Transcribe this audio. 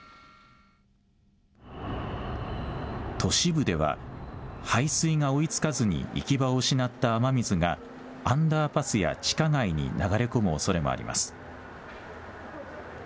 都市部では排水が追いつかずに行き場を失った雨水がアンダーパスや地下街に流れ込むおそれもあります。